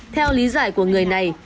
theo lý giải của người này